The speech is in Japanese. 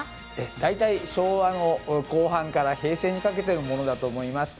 大体昭和の後半から平成にかけてのものだと思います。